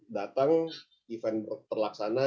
datang event terlaksana